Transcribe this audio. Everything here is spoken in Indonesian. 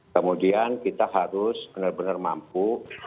kemudian kita harus benar benar mampu